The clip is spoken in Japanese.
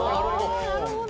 あなるほど。